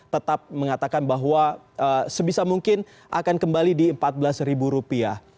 tetap mengatakan bahwa sebisa mungkin akan kembali di empat belas rupiah